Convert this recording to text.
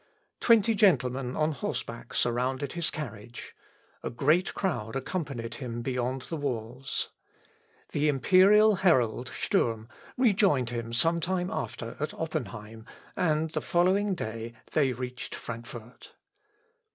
Twenty gentlemen on horseback surrounded his carriage. A great crowd accompanied him beyond the walls. The imperial herald, Sturm, rejoined him some time after at Oppenheim, and the following day they reached Frankfort.